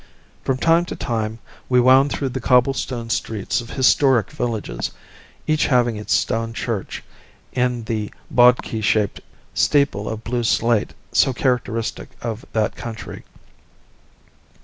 From time to time we wound through the cobble stoned streets of historic villages, each having its stone church end the bodki shaped steeple of blue slate so characteristic of that country.